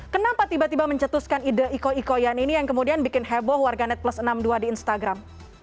kenapa tiba tiba mencetuskan ide iko ikoyan ini yang kemudian bikin heboh warganet plus enam puluh dua di instagram